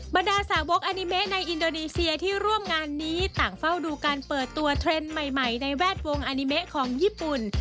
บรรดาสาวกอานิเมะในอินโดนีเซียที่ร่วมงานนี้ต่างเฝ้าดูการเปิดตัวเทรนด์ใหม่ในแวดวงอานิเมะของญี่ปุ่น